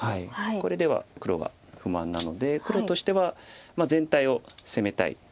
これでは黒は不満なので黒としては全体を攻めたい。